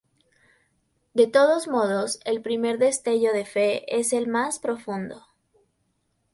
De todos modos, el primer destello de fe es el más profundo.